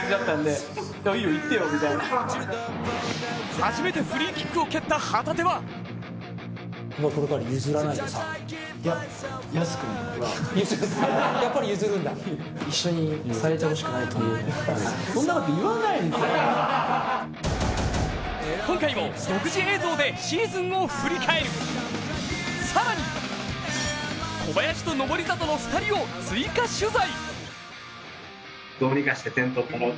初めてフリーキックを蹴った、旗手は今回も独自映像でシーズンを振り返る、更に小林と登里の２人を追加取材。